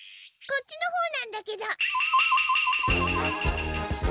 こっちの方なんだけど。